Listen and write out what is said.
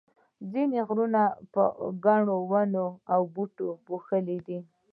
ځینې غرونه په ګڼو ونو او بوټو پوښلي دي.